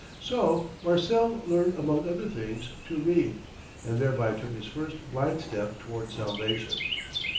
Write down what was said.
So Marcel learned among other things to read, and thereby took his first blind step toward salvation.